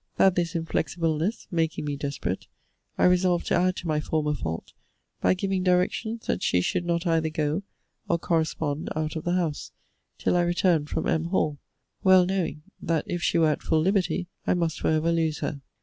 That this inflexibleness making me desperate, I resolved to add to my former fault, by giving directions that she should not either go or correspond out of the house, till I returned from M. Hall; well knowing, that if she were at full liberty, I must for ever lose her.